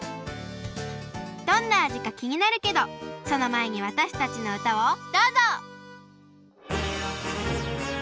どんなあじかきになるけどそのまえにわたしたちのうたをどうぞ！